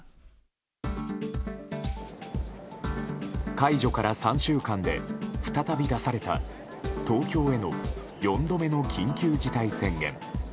解除から３週間で再び出された東京への４度目の緊急事態宣言。